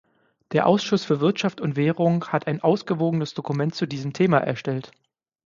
Der Ausschuss für Wirtschaft und Währung hat ein ausgewogenes Dokument zu diesem Thema erstellt.